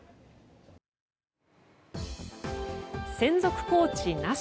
専属コーチなし。